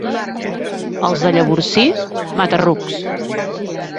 Els de Llavorsí, mata-rucs.